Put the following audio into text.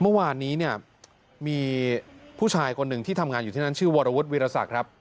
เมื่อวานนี้เนี่ยมีผู้ชายคนหนึ่งที่ทำงานอยู่ที่นั่นชื่อวรวุฒิวิรสักครับ